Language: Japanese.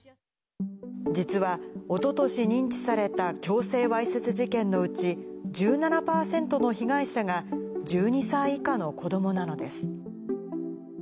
実は、おととし認知された強制わいせつ事件のうち、１７％の被害者が、１２歳以下の子どもなのです。